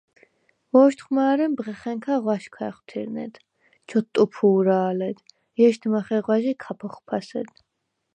ვო̄შთხვ მა̄რე̄მ ბღეხა̈ნქა ღვაშ ქა̄̈ხვთუ̈რნედ, ჩოთტუფუ̄რა̄ლედ, ჲეშდ მახეღვა̈ჟი ქაფ ოხფასედ;